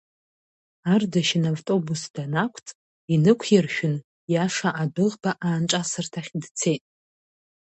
Ардашьын автобус данақәҵ, инықәиршәын, иаша адәыӷба аанҿасырҭахь дцеит.